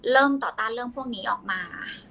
เริ่มต่อต้านเล่าพวกนี้ออกมา